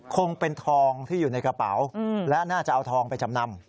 คงเป็นทองที่อยู่ในกระเป๋าและน่าจะเอาทองไปจำนำ